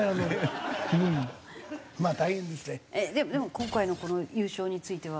でも今回のこの優勝については。